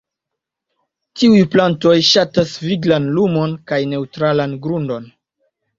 Tiuj plantoj ŝatas viglan lumon kaj neŭtralan grundon.